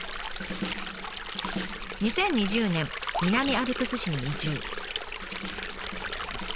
２０２０年南アルプス市に移住。